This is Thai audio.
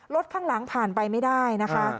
ข้างหลังผ่านไปไม่ได้นะคะ